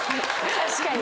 確かに。